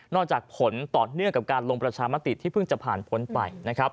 จากผลต่อเนื่องกับการลงประชามติที่เพิ่งจะผ่านพ้นไปนะครับ